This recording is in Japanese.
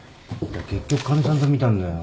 結局かみさんと見たんだよ。